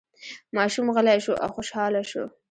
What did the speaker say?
ماشوم غلی شو او خوشحاله شو.